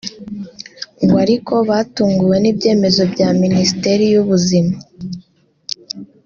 ngo ariko batunguwe n’ibyemezo bya Minisiteri y’Ubuzima